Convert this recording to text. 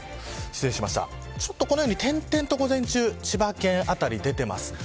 このように、点々と、午前中千葉県辺り、出てます。